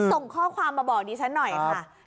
ส่งข้อความมาบอกดิฉันหน่อยค่ะ